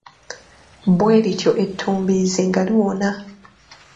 Bwe lityo ettumbiizi nga liwona.